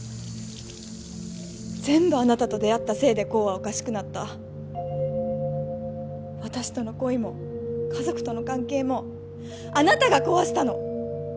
全部あなたと出会ったせいで功はおかしくなった私との恋も家族との関係もあなたが壊したの！